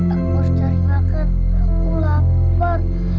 aku harus cari makan kamu lapar